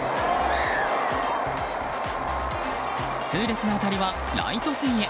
痛烈な当たりはライト線へ。